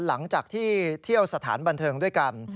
หลังจากที่เที่ยวสถานบันเทิงด้วยกัน